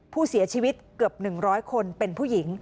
ผู้เสียชีวิตเกือบ๑๐๐คนเป็นผู้หญิง